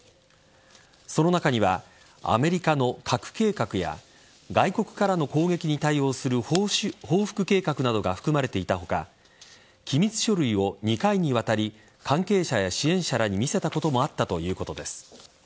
その中には、アメリカの核計画や外国からの攻撃に対応する報復計画などが含まれていた他機密書類を２回にわたり関係者や支援者らに見せたこともあったということです。